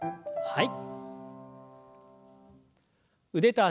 はい。